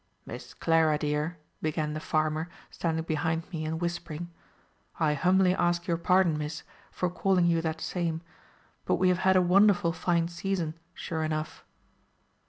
"Miss Clara dear," began the farmer, standing behind me, and whispering, "I humbly ask your pardon, Miss, for calling you that same. But we have had a wonderful fine season, sure enough."